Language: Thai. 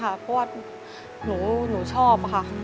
เพราะว่าหนูชอบค่ะ